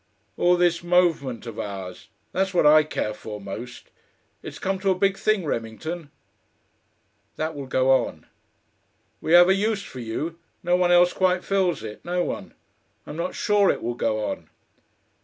"All this movement of ours. That's what I care for most.... It's come to be a big thing, Remington." "That will go on." "We have a use for you no one else quite fills it. No one.... I'm not sure it will go on."